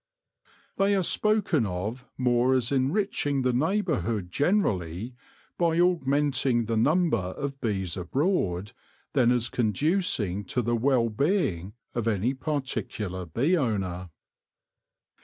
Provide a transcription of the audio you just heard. They are spoken of more as enriching the neighbourhood generally, by augment ing the number of bees abroad, than as conducing to the well being of any particular bee owner.